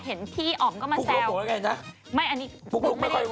หล่อเถอะคนนั้นน่ะหล่อมาก